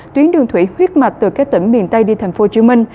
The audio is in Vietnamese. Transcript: tuyến đường thủy huyết mạch từ các tỉnh miền tây đi tp hcm